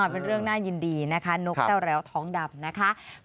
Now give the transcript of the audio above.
เป็นเรื่องน่ายินดีนะคะนกแต้วแล้วท้องดำนะคะ